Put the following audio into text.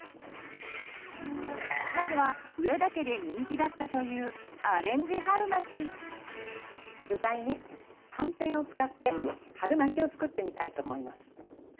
まずは上田家で人気だったという具材にはんぺんを使って春巻を作ってみたいと思います。